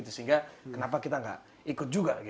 sehingga kenapa kita tidak ikut juga